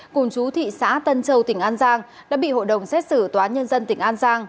cùng chú thị xã tân châu tỉnh an giang đã bị hội đồng xét xử tòa nhân dân tỉnh an giang